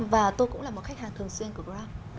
và tôi cũng là một khách hàng thường xuyên của grab